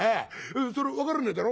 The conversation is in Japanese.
それ分からねえだろ。